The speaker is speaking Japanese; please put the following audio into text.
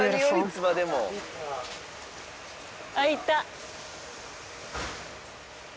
あいった。